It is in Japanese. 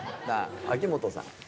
秋元さん。